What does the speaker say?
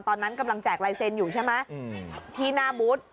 ตอนนั้นกำลังแจกลายเซ็นต์อยู่ใช่ไหมที่หน้าบูธ